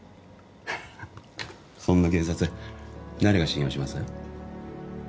ハハッそんな警察誰が信用します？